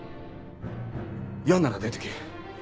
嫌なら出ていけ。